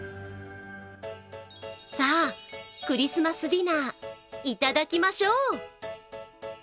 さぁ、クリスマスディナーいただきましょう。